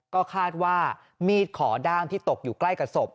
ก็คาดว่ามีดขอด้ามที่ตกอยู่ใกล้กับศพ